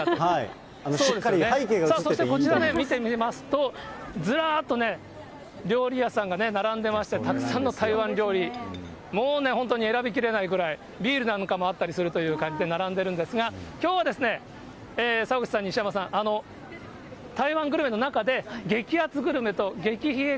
そしてこちらね、見てみますと、ずらっとね、料理屋さんが並んでまして、たくさんの台湾料理、もうね、本当に選びきれないぐらい、ビールなんかもあったりするという感じで並んでるんですが、きょうはですね、澤口さん、西山さん、台湾グルメの中で、激熱グルメと激冷え